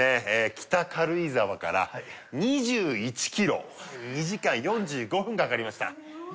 北軽井沢から２１キロ２時間４５分かかりました